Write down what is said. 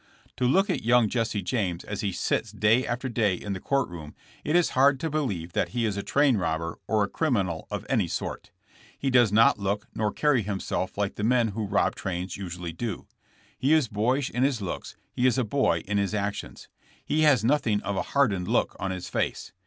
"To look at young Jesse James as he sits day after day in the court room it is hard to believe that he is a train robber or a criminal of any sort. He does not look nor carry himself like the men who rob trains usually do. He is boyish in his looks; he is a boy in his actions. He has nothing of a hardened look on his face.